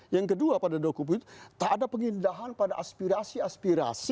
yang kedua pada dua kubu itu tak ada pengindahan pada aspirasi aspirasi